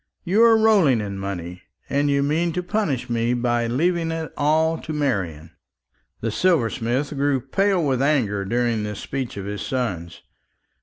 You are rolling in money, and you mean to punish me by leaving it all to Marian." The silversmith grew pale with anger during this speech of his son's.